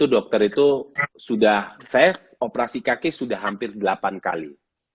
sepuluh dokter itu sudah saya operasi kaki sudah hampir delapan kali